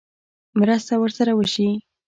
مرسته ورسره وشي.